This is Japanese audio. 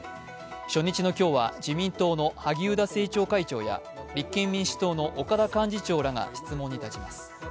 初日の今日は自民党の萩生田政調会長や立憲民主党の岡田幹事長らが質問に立ちます。